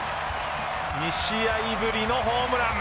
２試合ぶりのホームラン。